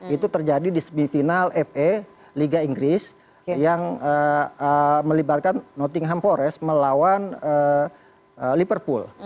itu terjadi di semifinal fa liga inggris yang melibatkan nottingham forest melawan liverpool